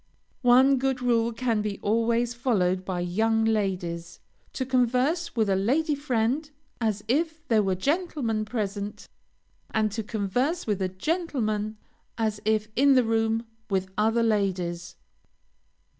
One good rule can be always followed by young ladies; to converse with a lady friend as if there were gentlemen present, and to converse with a gentleman as if in the room with other ladies.